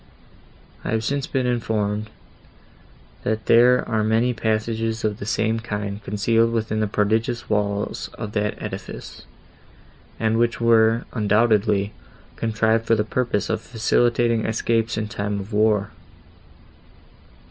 I have since been informed, that there are many passages of the same kind concealed within the prodigious walls of that edifice, and which were, undoubtedly, contrived for the purpose of facilitating escapes in time of war.